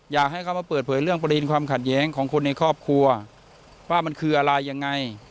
อยากให้เขามาเปิดเผยเรื่องประเด็นความขัดแย้งของคนในครอบครัวว่ามันคืออะไรยังไง